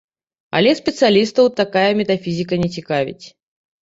Але спецыялістаў такая метафізіка не цікавіць.